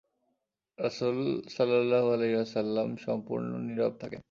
রাসূল সাল্লাল্লাহু আলাইহি ওয়াসাল্লাম সম্পূর্ণ নীরব থাকেন।